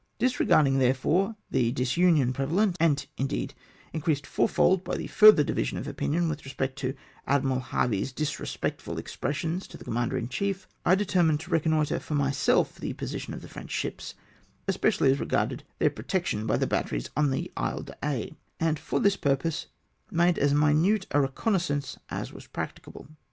Disre garduig, therefore, the disunion prevalent, and, indeed, increased four fold by the further division of opinion with respect to Admiral Harvey's disrespectful expres sions to the commander in chief, I determined to re connoitre for myself the position of the French ships, especially as regarded thcK protection by the batteries on Isle d'Aix, and for this purpose made as minute a reconnaissance as was practicable.